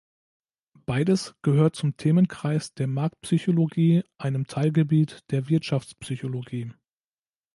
Beides gehört zum Themenkreis der Marktpsychologie, einem Teilgebiet der Wirtschaftspsychologie.